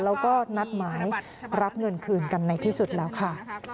แล้วก็นัดหมายรับเงินคืนกันในที่สุดแล้วค่ะ